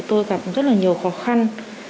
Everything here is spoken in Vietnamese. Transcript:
tôi gặp rất nhiều khó khăn